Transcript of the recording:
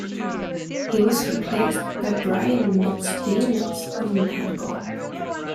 He was replaced by Brian "Mitts" Daniels of Madball.